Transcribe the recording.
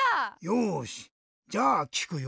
よしじゃあきくよ？